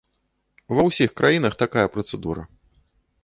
Ва ўсіх краінах такая працэдура.